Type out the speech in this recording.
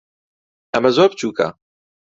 ئەمە زۆر بچووکە.